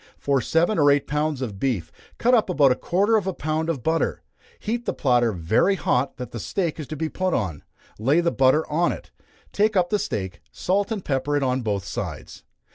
For seven or eight pounds of beef, cut up about a quarter of a pound of butter. Heat the platter very hot that the steak is to be put on, lay the butter on it, take up the steak, salt and pepper it on both sides.